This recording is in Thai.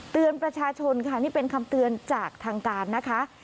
เตือนประชาชนค่ะนี่เป็นคำเตือนจากทางการนะคะ